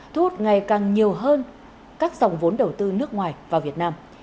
thu hút ngày càng nhiều hơn các dòng vốn đầu tư nước ngoài vào việt nam